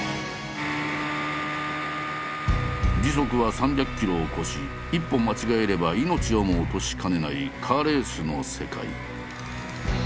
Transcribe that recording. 時速は３００キロを超し一歩間違えれば命をも落としかねないカーレースの世界。